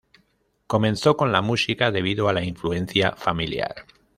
Comenzó con la música debido a la influencia familiar.